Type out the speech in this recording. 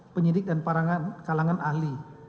penyidik dan kalangan ahli